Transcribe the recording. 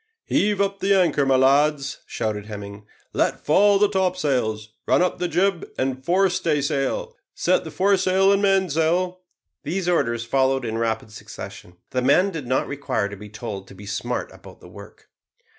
"Heave up the anchor, my lads," shouted Hemming; "let fall the topsails. Run up the jib and fore staysail. Set the foresail and mainsail." These orders followed in rapid succession. The men did not require to be told to be smart about the work.